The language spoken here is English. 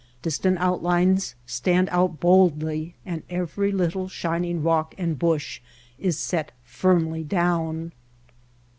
Dis tant outlines stand out boldly, and every little shining rock and bush is set firmly down.